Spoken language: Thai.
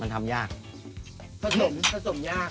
สูตรให้ส่ง